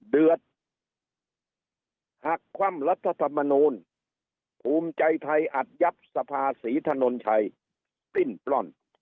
เดือดหักคว่ำรัฐธรรมนูลภูมิใจไทยอัดยับสภาศรีถนนชัยปิ้นปล้น